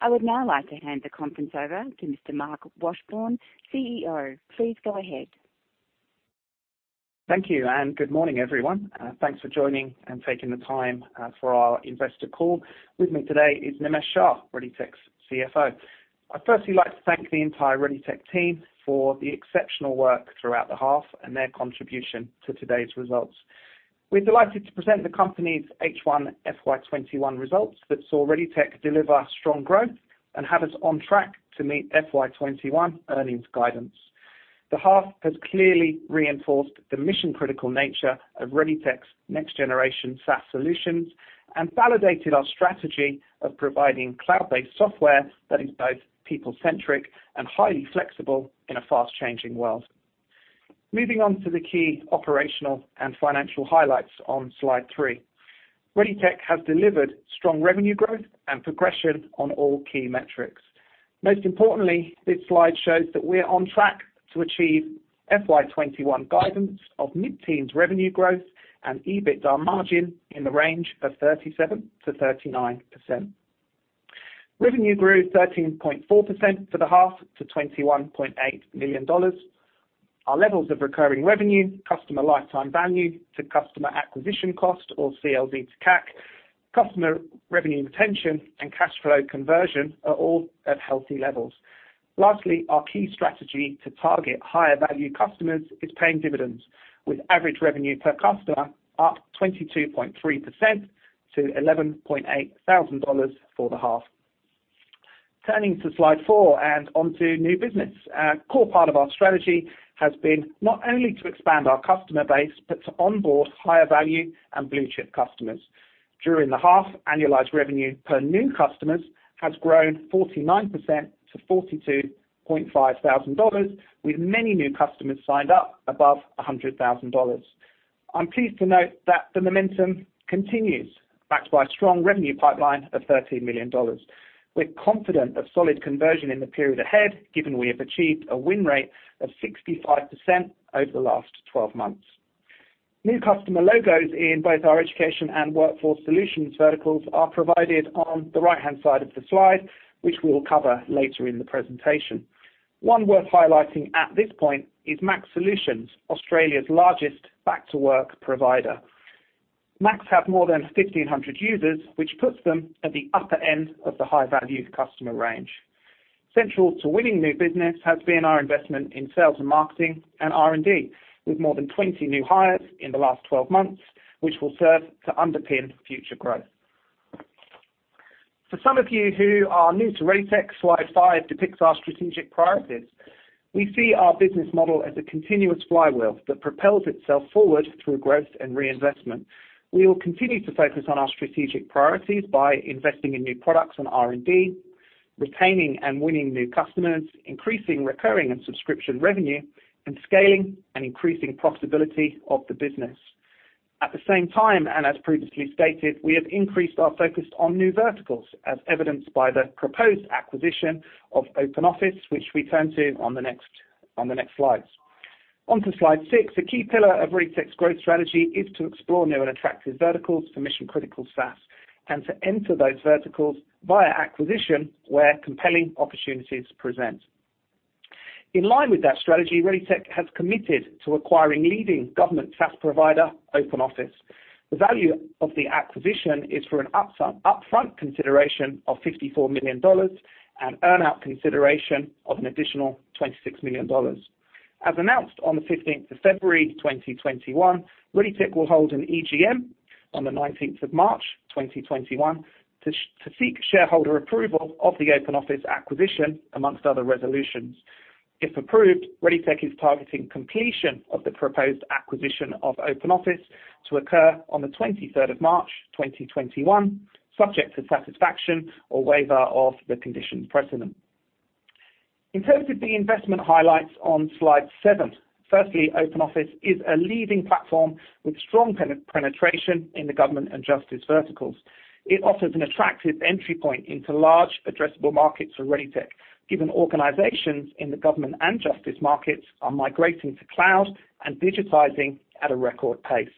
I would now like to hand the conference over to Mr. Marc Washbourne, CEO. Please go ahead. Thank you, good morning, everyone. Thanks for joining and taking the time for our investor call. With me today is Nimesh Shah, ReadyTech's CFO. I'd firstly like to thank the entire ReadyTech team for the exceptional work throughout the half and their contribution to today's results. We're delighted to present the company's H1 FY 2021 results that saw ReadyTech deliver strong growth and have us on track to meet FY 2021 earnings guidance. The half has clearly reinforced the mission-critical nature of ReadyTech's next-generation SaaS solutions and validated our strategy of providing cloud-based software that is both people-centric and highly flexible in a fast-changing world. Moving on to the key operational and financial highlights on slide three. ReadyTech has delivered strong revenue growth and progression on all key metrics. Most importantly, this slide shows that we are on track to achieve FY 2021 guidance of mid-teens revenue growth and EBITDA margin in the range of 37%-39%. Revenue grew 13.4% for the half to 21.8 million dollars. Our levels of recurring revenue, Customer Lifetime Value to Customer Acquisition Cost or CLV to CAC, customer revenue retention, and cash flow conversion are all at healthy levels. Lastly, our key strategy to target higher-value customers is paying dividends, with average revenue per customer up 22.3% to 11,800 dollars for the half. Turning to slide four and onto new business. A core part of our strategy has been not only to expand our customer base but to onboard higher-value and blue-chip customers. During the half, annualized revenue per new customers has grown 49% to 42,500 dollars, with many new customers signed up above 100,000 dollars. I'm pleased to note that the momentum continues, backed by a strong revenue pipeline of 13 million dollars. We're confident of solid conversion in the period ahead, given we have achieved a win rate of 65% over the last 12 months. New customer logos in both our education and workforce solutions verticals are provided on the right-hand side of the slide, which we will cover later in the presentation. One worth highlighting at this point is MAX Solutions, Australia's largest back-to-work provider. MAX have more than 1,500 users, which puts them at the upper end of the high-value customer range. Central to winning new business has been our investment in sales and marketing and R&D, with more than 20 new hires in the last 12 months, which will serve to underpin future growth. For some of you who are new to ReadyTech, slide five depicts our strategic priorities. We see our business model as a continuous flywheel that propels itself forward through growth and reinvestment. We will continue to focus on our strategic priorities by investing in new products and R&D, retaining and winning new customers, increasing recurring and subscription revenue, and scaling and increasing profitability of the business. At the same time, and as previously stated, we have increased our focus on new verticals, as evidenced by the proposed acquisition of Open Office, which we turn to on the next slides. Onto slide six, a key pillar of ReadyTech's growth strategy is to explore new and attractive verticals for mission-critical SaaS and to enter those verticals via acquisition where compelling opportunities present. In line with that strategy, ReadyTech has committed to acquiring leading government SaaS provider, Open Office. The value of the acquisition is for an upfront consideration of 54 million dollars and earn-out consideration of an additional 26 million dollars. As announced on the February 15th, 2021, ReadyTech will hold an EGM on the March 19th, 2021 to seek shareholder approval of the Open Office acquisition, among other resolutions. If approved, ReadyTech is targeting completion of the proposed acquisition of Open Office to occur on the March 23rd, 2021, subject to satisfaction or waiver of the conditions precedent. In terms of the investment highlights on slide seven, firstly, Open Office is a leading platform with strong penetration in the government and justice verticals. It offers an attractive entry point into large addressable markets for ReadyTech, given organizations in the government and justice markets are migrating to cloud and digitizing at a record pace.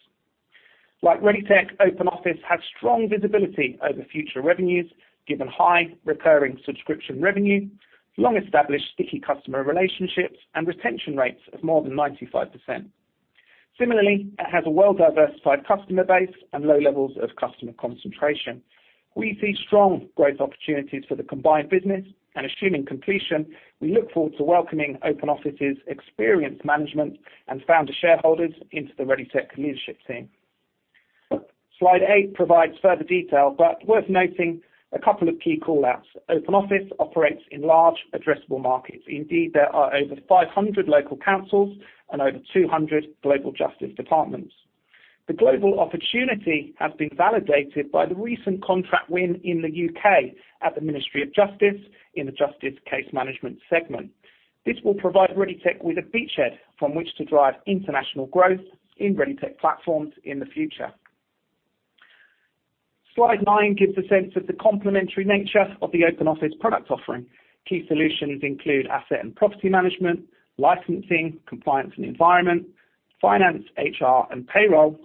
Like ReadyTech, Open Office has strong visibility over future revenues, given high recurring subscription revenue, long-established sticky customer relationships, and retention rates of more than 95%. Similarly, it has a well-diversified customer base and low levels of customer concentration. We see strong growth opportunities for the combined business, and assuming completion, we look forward to welcoming Open Office's experienced management and founder shareholders into the ReadyTech leadership team. Slide eight provides further detail, but worth noting a couple of key call-outs. Open Office operates in large addressable markets. Indeed, there are over 500 local councils and over 200 global justice departments. The global opportunity has been validated by the recent contract win in the U.K. at the Ministry of Justice in the justice case management segment. This will provide ReadyTech with a beachhead from which to drive international growth in ReadyTech platforms in the future. Slide nine gives a sense of the complementary nature of the Open Office product offering. Key solutions include asset and property management, licensing, compliance and the environment, finance, HR, and payroll,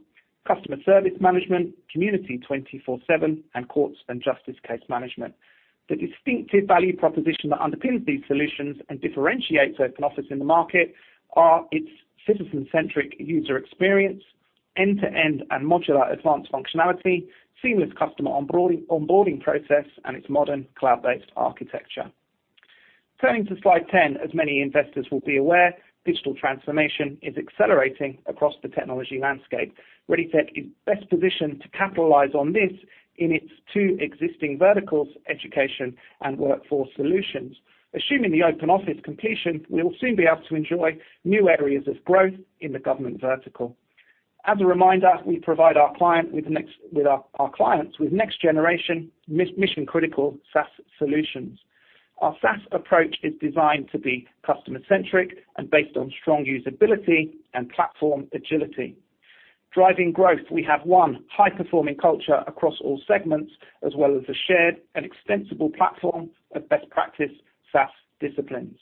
customer service management, community 24/7, and courts and justice case management. The distinctive value proposition that underpins these solutions and differentiates Open Office in the market are its citizen-centric user experience, end-to-end and modular advanced functionality, seamless customer onboarding process, and its modern cloud-based architecture. Turning to slide 10, as many investors will be aware, digital transformation is accelerating across the technology landscape. ReadyTech is best positioned to capitalize on this in its two existing verticals, education and workforce solutions. Assuming the Open Office completion, we'll soon be able to enjoy new areas of growth in the government vertical. As a reminder, we provide our clients with next-generation mission-critical SaaS solutions. Our SaaS approach is designed to be customer-centric and based on strong usability and platform agility. Driving growth, we have, one, high-performing culture across all segments, as well as a shared and extensible platform of best practice SaaS disciplines.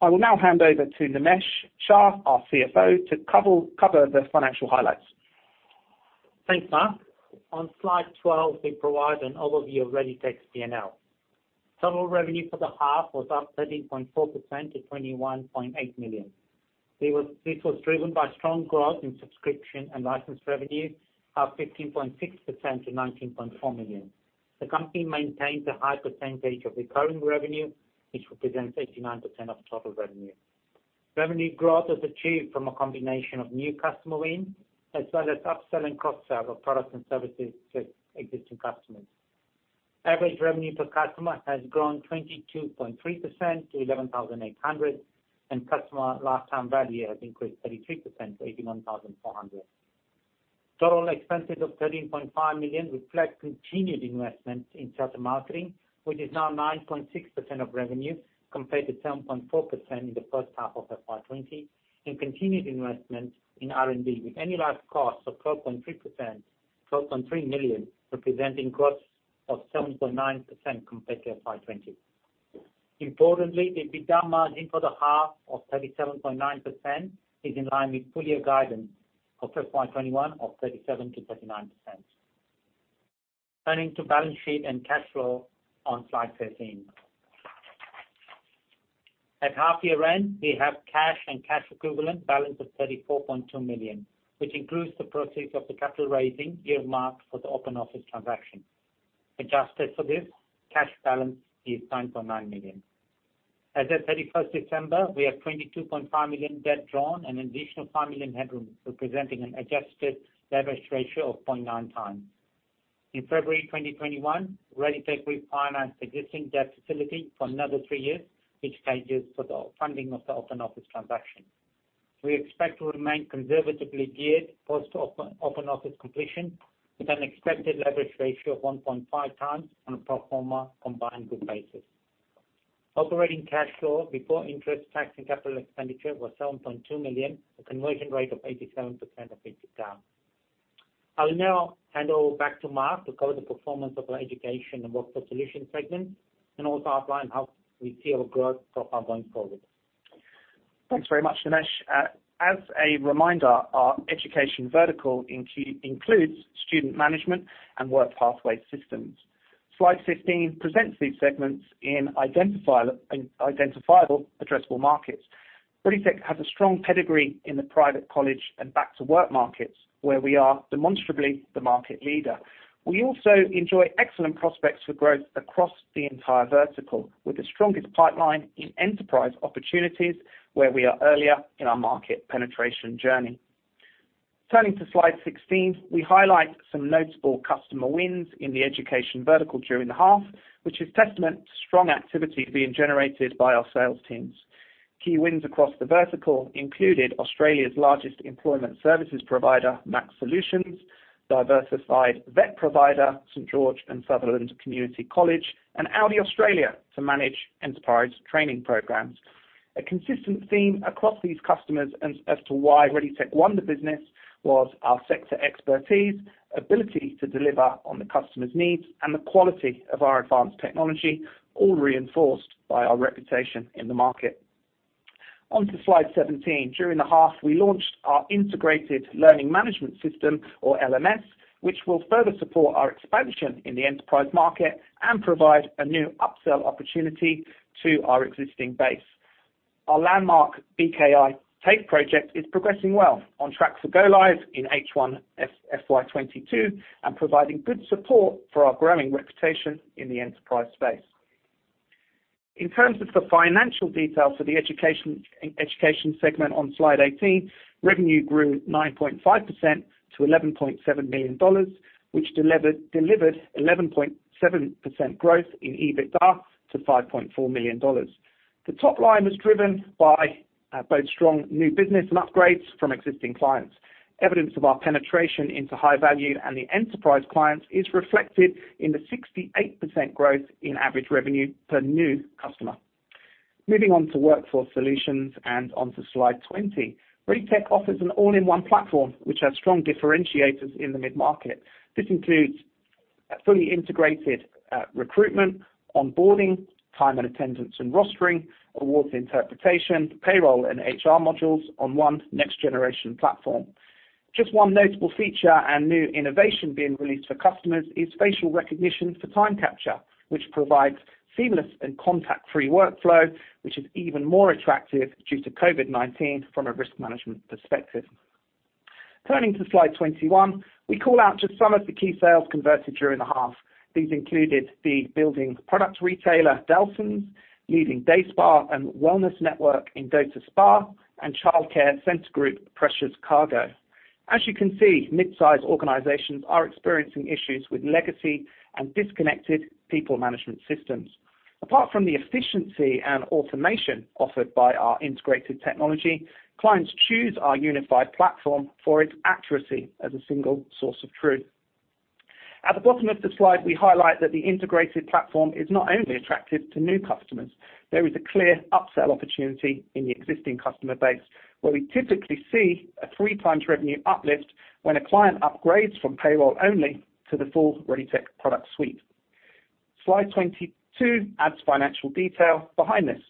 I will now hand over to Nimesh Shah, our CFO, to cover the financial highlights. Thanks, Marc. On slide 12, we provide an overview of ReadyTech's P&L. Total revenue for the half was up 13.4% to 21.8 million. This was driven by strong growth in subscription and license revenue, up 15.6% to 19.4 million. The company maintains a high percentage of recurring revenue, which represents 89% of total revenue. Revenue growth was achieved from a combination of new customer wins, as well as upselling cross-sell of products and services to existing customers. Average revenue per customer has grown 22.3% to 11,800, and customer lifetime value has increased 33% to 81,400. Total expenses of 13.5 million reflect continued investment in sales and marketing, which is now 9.6% of revenue, compared to 7.4% in the first half of FY 2020, and continued investment in R&D, with annualized costs of 12.3 million, representing growth of 7.9% compared to FY 2020. Importantly, the EBITDA margin for the half of 37.9% is in line with full year guidance for FY 2021 of 37%-39%. Turning to balance sheet and cash flow on slide 13. At half year end, we have cash and cash equivalent balance of 34.2 million, which includes the proceeds of the capital raising earmarked for the Open Office transaction. Adjusted for this, cash balance is 9.9 million. As at December 31st, 2020 we have 22.5 million debt drawn, additional 5 million headroom, representing an adjusted leverage ratio of 0.9x. In February 2021, ReadyTech refinanced existing debt facility for another three years, which stages for the funding of the Open Office transaction. We expect to remain conservatively geared post Open Office completion with an expected leverage ratio of 1.5x on a pro forma combined group basis. Operating cash flow before interest, tax, and capital expenditure was 7.2 million, a conversion rate of 87% of EBITDA. I will now hand over back to Marc to cover the performance of our Education and Workforce Solutions segment and also outline how we see our growth going forward. Thanks very much, Nimesh. As a reminder, our education vertical includes student management and work pathway systems. Slide 15 presents these segments in identifiable addressable markets. ReadyTech has a strong pedigree in the private college and back to work markets, where we are demonstrably the market leader. We also enjoy excellent prospects for growth across the entire vertical, with the strongest pipeline in enterprise opportunities where we are earlier in our market penetration journey. Turning to slide 16, we highlight some notable customer wins in the education vertical during the half, which is testament to strong activity being generated by our sales teams. Key wins across the vertical included Australia's largest employment services provider, MAX Solutions, diversified VET provider, St George and Sutherland Community College, and Audi Australia, to manage enterprise training programs. A consistent theme across these customers as to why ReadyTech won the business was our sector expertise, ability to deliver on the customer's needs, and the quality of our advanced technology, all reinforced by our reputation in the market. Onto slide 17. During the half, we launched our integrated learning management system, or LMS, which will further support our expansion in the enterprise market and provide a new upsell opportunity to our existing base. Our landmark BKI TAFE project is progressing well, on track for go live in H1 FY 2022, and providing good support for our growing reputation in the enterprise space. In terms of the financial details for the education segment on slide 18, revenue grew 9.5% to 11.7 million dollars, which delivered 11.7% growth in EBITDA to 5.4 million dollars. The top line was driven by both strong new business and upgrades from existing clients. Evidence of our penetration into high value and the enterprise clients is reflected in the 68% growth in average revenue per new customer. Moving on to workforce solutions and onto slide 20. ReadyTech offers an all-in-one platform, which has strong differentiators in the mid-market. This includes a fully integrated recruitment, onboarding, time and attendance and rostering, awards interpretation, payroll and HR modules on one next generation platform. Just one notable feature and new innovation being released for customers is facial recognition for time capture, which provides seamless and contact-free workflow, which is even more attractive due to COVID-19 from a risk management perspective. Turning to slide 21, we call out just some of the key sales converted during the half. These included the building product retailer, Dahlsens, leading day spa and wellness network, Endota Spa, and childcare center group, Precious Cargo. As you can see, mid-size organizations are experiencing issues with legacy and disconnected people management systems. Apart from the efficiency and automation offered by our integrated technology, clients choose our unified platform for its accuracy as a single source of truth. At the bottom of the slide, we highlight that the integrated platform is not only attractive to new customers, there is a clear upsell opportunity in the existing customer base, where we typically see a 3x revenue uplift when a client upgrades from payroll only to the full ReadyTech product suite. Slide 22 adds financial detail behind this.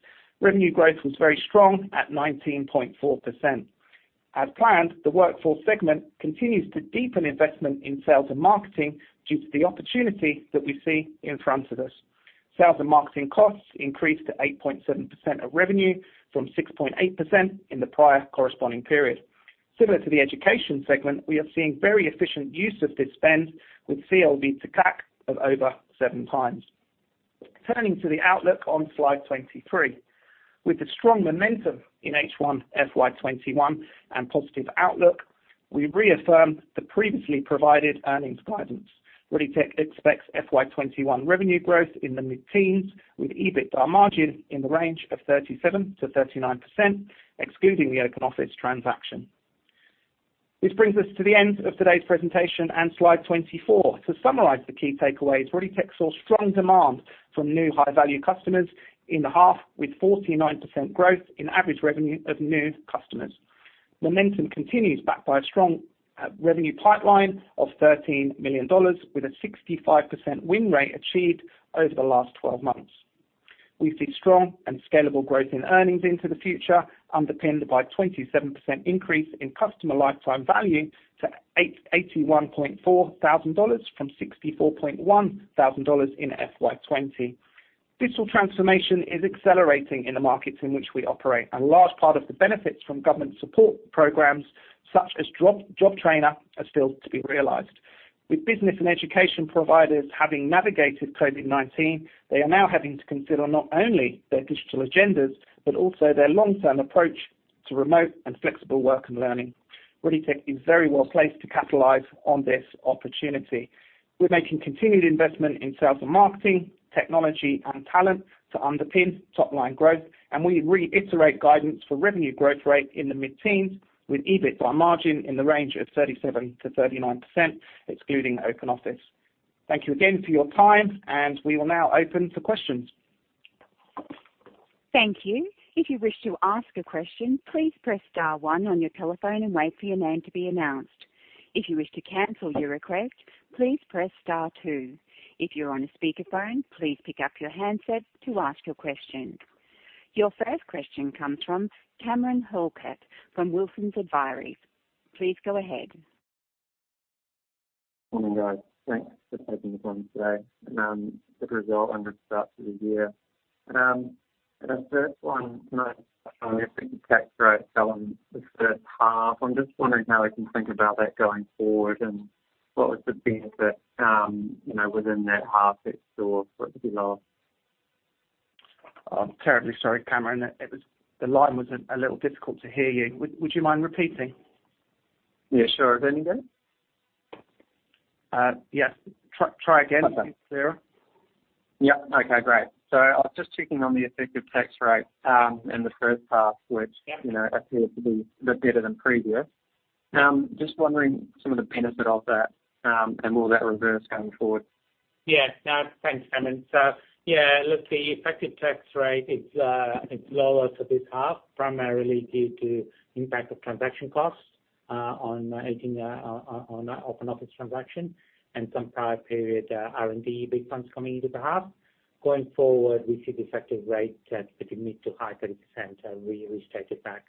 Revenue growth was very strong at 19.4%. As planned, the workforce segment continues to deepen investment in sales and marketing due to the opportunity that we see in front of us. Sales and marketing costs increased to 8.7% of revenue from 6.8% in the prior corresponding period. Similar to the education segment, we are seeing very efficient use of this spend with CLV to CAC of over 7x. Turning to the outlook on slide 23. With the strong momentum in H1 FY 2021 and positive outlook, we reaffirm the previously provided earnings guidance. ReadyTech expects FY 2021 revenue growth in the mid-teens with EBITDA margin in the range of 37%-39%, excluding the Open Office transaction. This brings us to the end of today's presentation and slide 24. To summarize the key takeaways, ReadyTech saw strong demand from new high-value customers in the half with 49% growth in average revenue of new customers. Momentum continues, backed by a strong revenue pipeline of 13 million dollars, with a 65% win rate achieved over the last 12 months. We see strong and scalable growth in earnings into the future, underpinned by 27% increase in customer lifetime value to 81,400 dollars from 64,100 dollars in FY 2020. Digital transformation is accelerating in the markets in which we operate, and a large part of the benefits from government support programs such as JobTrainer are still to be realized. With business and education providers having navigated COVID-19, they are now having to consider not only their digital agendas, but also their long-term approach to remote and flexible work and learning. ReadyTech is very well placed to capitalize on this opportunity. We're making continued investment in sales and marketing, technology, and talent to underpin top-line growth, and we reiterate guidance for revenue growth rate in the mid-teens with EBITDA margin in the range of 37%-39%, excluding Open Office. Thank you again for your time, and we will now open for questions. Thank you. If you wish to ask a question, please press star one on your telephone and wait for your name to be announced. If you wish to cancel your request, please press star two. If you're on a speakerphone, please pick up your handset to ask your question. Your first question comes from Cameron Halkett from Wilsons Advisory. Please go ahead. Morning, guys. Thanks for taking the call today. Good result on the start to the year. The first one, effective tax rate on the first half. I'm just wondering how we can think about that going forward and what was the benefit within that half that saw it be lower. I'm terribly sorry, Cameron. The line was a little difficult to hear you. Would you mind repeating? Yeah, sure. Is that any better? Yes. Try again- Okay if it's clearer. Yep. Okay, great. I was just checking on the effective tax rate in the first half, which appeared to be a bit better than previous. Just wondering some of the benefit of that, and will that reverse going forward? Yeah. No, thanks, Cameron. Yeah, look, the effective tax rate is lower for this half, primarily due to impact of transaction costs on Open Office transaction and some prior period R&D tax funds coming into the half. Going forward, we see the effective rate at mid-to-high 30%, we restate it back.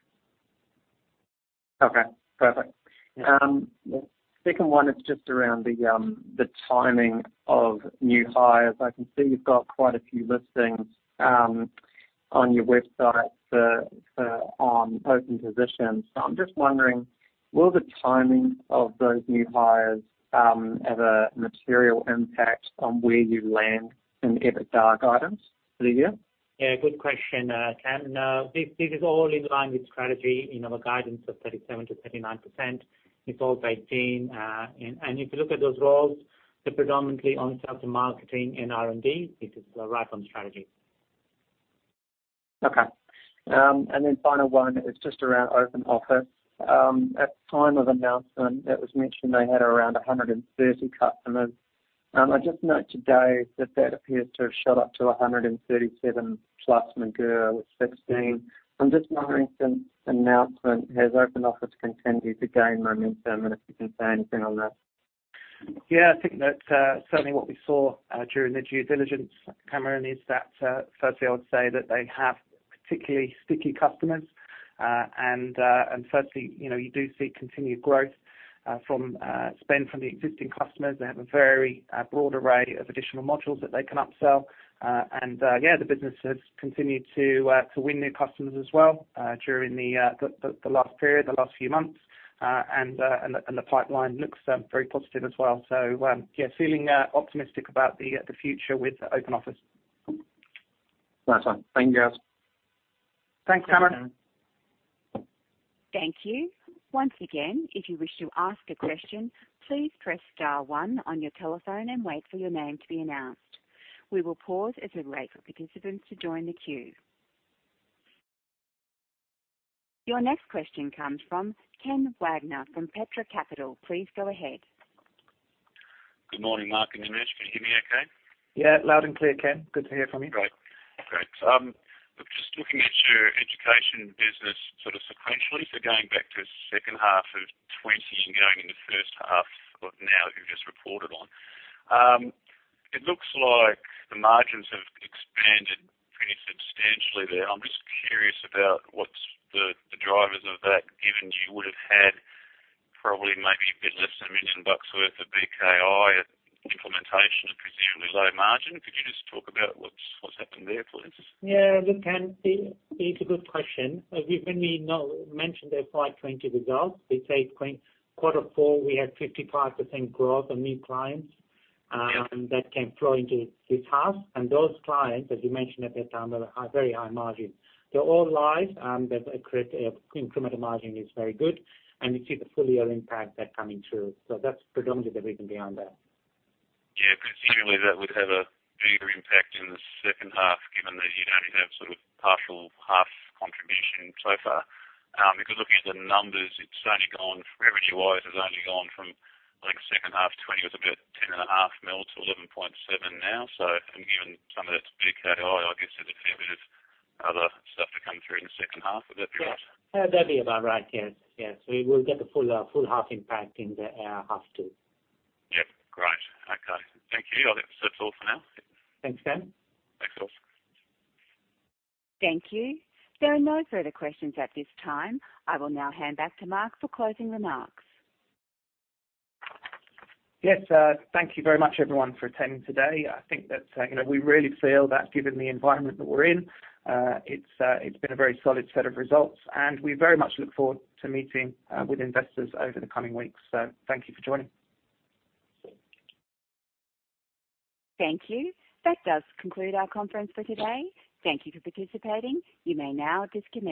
Okay. Perfect. Yeah. The second one is just around the timing of new hires. I can see you've got quite a few listings on your website for open positions. I'm just wondering, will the timing of those new hires have a material impact on where you land in EBITDA guidance for the year? Yeah. Good question, Cameron. This is all in line with strategy in our guidance of 37%-39%. It's all baked in. If you look at those roles, they're predominantly on sales and marketing and R&D. This is right on strategy. Okay. Final one is just around Open Office. At time of announcement, it was mentioned they had around 130 customers. I just note today that appears to have shot up to 137, plus McGirr was 16. I'm just wondering since announcement, has Open Office continued to gain momentum, and if you can say anything on that? Yeah, I think that certainly what we saw during the due diligence, Cameron, is that firstly, I would say that they have particularly sticky customers. Firstly, you do see continued growth from spend from the existing customers. They have a very broad array of additional modules that they can upsell. Yeah, the business has continued to win new customers as well during the last period, the last few months. The pipeline looks very positive as well. Yeah, feeling optimistic about the future with Open Office. Right. Thank you, Gaz. Thanks, Cameron. Thank you. Once again, if you wish to ask a question, please press star one on your telephone and wait for your name to be announced. We will pause as we wait for participants to join the queue. Your next question comes from Ken Wagner from Petra Capital. Please go ahead. Good morning, Marc and Nimesh. Can you hear me okay? Yeah, loud and clear, Ken. Good to hear from you. Great. Just looking at your education business sort of sequentially. Going back to second half of 2020 and going in the first half of now, you've just reported on. It looks like the margins have expanded pretty substantially there. I'm just curious about what's the drivers of that, given you would've had probably maybe a bit less than 1 million bucks worth of BKI implementation of presumably low margin. Could you just talk about what's happened there, please? Yeah. Look, Ken, it's a good question. Given we mentioned the FY 2020 results, we take quarter four, we had 55% growth on new clients. Yeah that came flowing to task. Those clients, as you mentioned at that time, were very high margin. They're all live, and the incremental margin is very good, and you see the full year impact that coming through. That's predominantly the reason behind that. Yeah. Presumably, that would have a bigger impact in the second half, given that you'd only have sort of partial half contribution so far. Looking at the numbers, revenue wise, it's only gone from, I think second half FY 2020 was about 10.5 million to 11.7 million now. Given some of that's BKI, I guess there's a fair bit of other stuff to come through in the second half. Would that be right? Yeah, that'd be about right. Yes. We will get the full half impact in the half two. Yep. Great. Okay. Thank you. That's all for now. Thanks, Ken. Thanks. Thank you. There are no further questions at this time. I will now hand back to Marc for closing remarks. Yes. Thank you very much, everyone, for attending today. I think that we really feel that given the environment that we're in, it's been a very solid set of results, and we very much look forward to meeting with investors over the coming weeks. Thank you for joining. Thank you. That does conclude our conference for today. Thank you for participating. You may now disconnect.